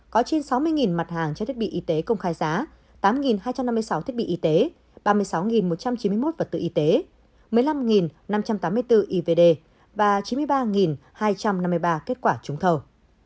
có trên sáu mươi mặt hàng trang thiết bị y tế công khai giá tám hai trăm năm mươi sáu thiết bị y tế ba mươi sáu một trăm chín mươi một vật tư y tế một mươi năm năm trăm tám mươi bốn ivd và chín mươi ba hai trăm năm mươi ba kết quả trúng thầu